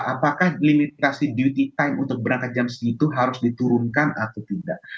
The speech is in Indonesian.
apakah limitisasi beauty time untuk berangkat jam segitu harus diturunkan atau tidak